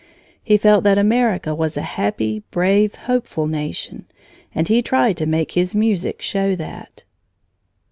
He felt that America was a happy, brave, hopeful nation, and he tried to make his music show that.